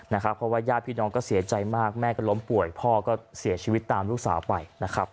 เพราะว่าญาติพี่น้องก็เสียใจมากแม่ก็ล้มป่วยพ่อก็เสียชีวิตตามลูกสาวไปนะครับ